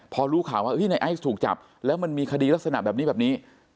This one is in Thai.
พอรู้ข่าวว่าในไอซ์ถูกจับแล้วมันมีคดีลักษณะแบบนี้แบบนี้